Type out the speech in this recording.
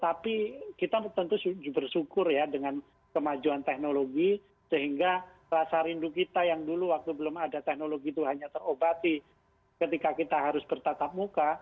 tapi kita tentu bersyukur ya dengan kemajuan teknologi sehingga rasa rindu kita yang dulu waktu belum ada teknologi itu hanya terobati ketika kita harus bertatap muka